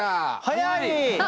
早い！